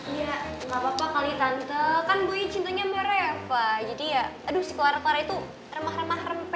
iya gak apa apa kali tante kan boy cintanya sama reva jadi ya aduh si clara clara itu remah remah rempe